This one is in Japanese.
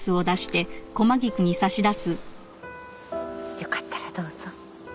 よかったらどうぞ。